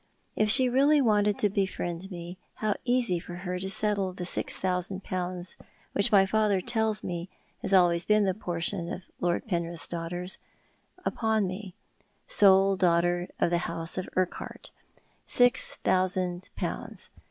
If she really wanted to befriend me how easy for her to settle the six thousand pounds, which my father tells me has always been the portion of Lord Penrith's daughters, upon me —sole daughter of the house of Urquhart. Six thousand pounds.